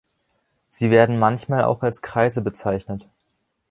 Sie werden manchmal auch als Kreise bezeichnet.